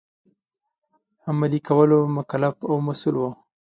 عملي کولو مکلف او مسوول وو.